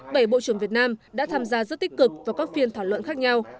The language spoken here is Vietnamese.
bảy bộ trưởng việt nam đã tham gia rất tích cực vào các phiên thảo luận khác nhau